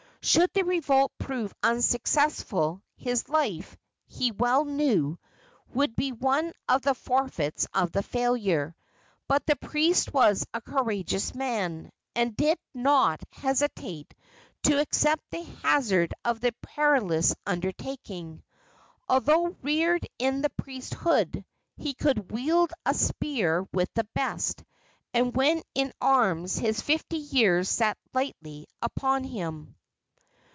Should the revolt prove unsuccessful, his life, he well knew, would be one of the forfeits of the failure; but the priest was a courageous man, and did not hesitate to accept the hazard of the perilous undertaking. Although reared in the priesthood, he could wield a spear with the best, and when in arms his fifty years sat lightly upon him.